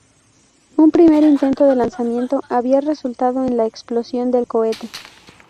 Un primer intento de lanzamiento había resultado en la explosión del cohete.